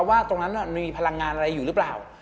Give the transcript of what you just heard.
ว่าตรงนั้นมีพลังงานอะไรอยู่หรือเปล่า